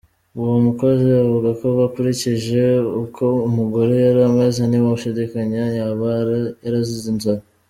Uwo mukozi avugako ukurikije uko uwo mugore yari ameze ntiwashidikanyako yaba yarazize inzara.